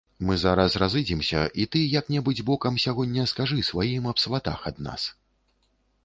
Мы зараз разыдземся, і ты як-небудзь бокам сягоння скажы сваім аб сватах ад нас.